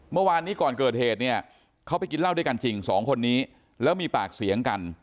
เมื่อวานนี้ก่อนเกิดเหตุเนี่ยเขาไปกินเหล้าด้วยกันจริงสองคนนี้แล้วมีปากเสียงกัน